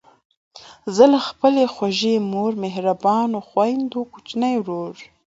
زه له خپلې خوږې مور، مهربانو خویندو، کوچني ورور،